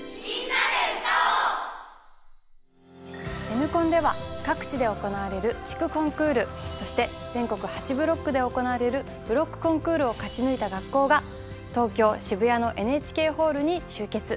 Ｎコンでは各地で行われる地区コンクールそして全国８ブロックで行われるブロックコンクールを勝ち抜いた学校が東京渋谷のＮＨＫホールに集結！